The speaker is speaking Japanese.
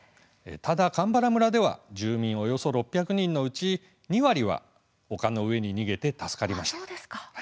ただ鎌原村では住民およそ６００人のうち２割は丘の上に逃げて助かりました。